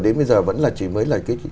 đến bây giờ vẫn là chỉ mới là cái